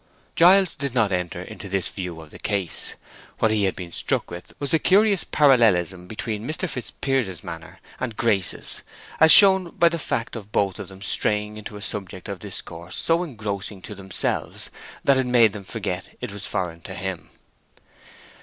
Giles did not enter into this view of the case; what he had been struck with was the curious parallelism between Mr. Fitzpiers's manner and Grace's, as shown by the fact of both of them straying into a subject of discourse so engrossing to themselves that it made them forget it was foreign to him.